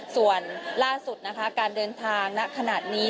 ส่วนล่าสุดนะคะการเดินทางณขนาดนี้